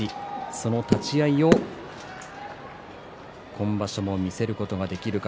その立ち合いを今場所も見せることができるか。